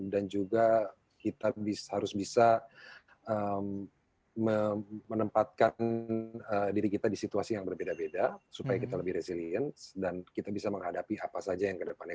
dan juga kita harus bisa menempatkan diri kita di situasi yang berbeda beda supaya kita lebih resilient dan kita bisa menghadapi apa saja yang kedepannya